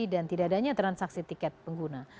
dan tidak adanya transaksi tiket pengguna